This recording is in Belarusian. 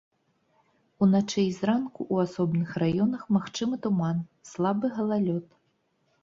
Уначы і зранку ў асобных раёнах магчымы туман, слабы галалёд.